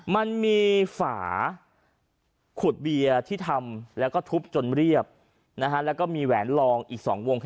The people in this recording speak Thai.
มันมีฝาขุดเบียร์ที่ทำแล้วก็ทุบจนเรียบนะฮะแล้วก็มีแหวนลองอีก๒วง